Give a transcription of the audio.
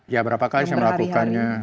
ya berapa kali saya melakukannya